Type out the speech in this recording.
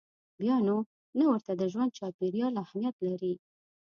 بیا نو نه ورته د ژوند چاپېریال اهمیت لري.